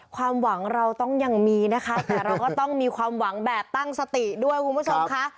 ความหวังเราต้องยังมีนะคะแต่เราก็ต้องมีความหวังแบบตั้งสติด้วยคุณผู้ชมค่ะ